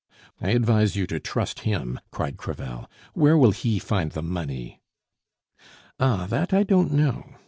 I advise you to trust him," cried Crevel. "Where will he find the money?" "Ah, that I don't know.